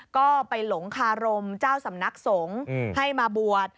ก็ไปหลงคารมเจ้าสำนักสงฆ์ให้มาบวช